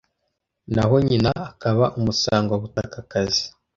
naho nyina akaba Umusangwabutakakazi